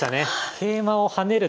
桂馬を跳ねる。